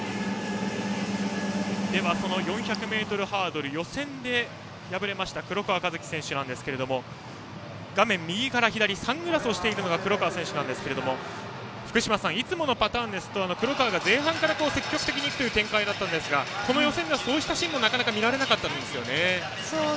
４００ｍハードル予選で敗れました黒川和樹選手ですがサングラスをしているのが黒川選手ですがいつものパターンですと黒川が前半から積極的にいく展開だったんですが予選ではそういったシーンも見られませんでしたね。